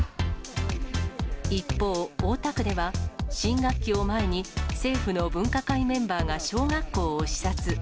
一方、大田区では、新学期を前に、政府の分科会メンバーが小学校を視察。